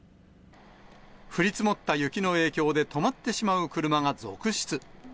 降り積もった雪の影響で止まってしまう車が続出。